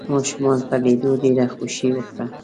ماشومانو په ليدو ډېره خوښي وکړه.